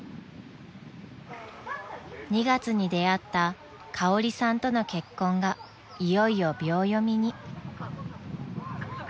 ［２月に出会ったかおりさんとの結婚がいよいよ秒読みに］